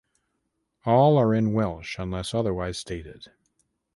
All are in Welsh unless otherwise stated.